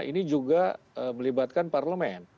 ini juga melibatkan parlemen